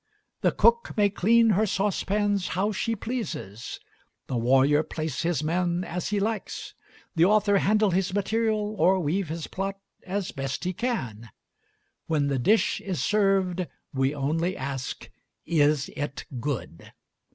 The cook may clean her saucepans how she pleases the warrior place his men as he likes the author handle his material or weave his plot as best he can when the dish is served we only ask, Is it good?